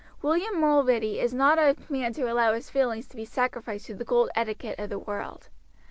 William Mulready is not a man to allow his feelings to be sacrificed to the cold etiquette of the world.